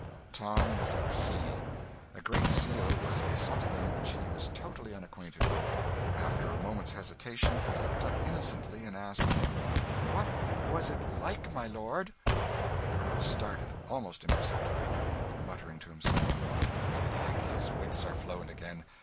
Tom was at sea a Great Seal was something which he was totally unacquainted with. After a moment's hesitation he looked up innocently and asked "What was it like, my lord?" The Earl started, almost imperceptibly, muttering to himself, "Alack, his wits are flown again!